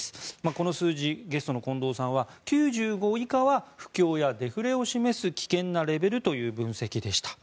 この数字、ゲストの近藤さんは９５以下は不況やデフレを示す危険なレベルということでした。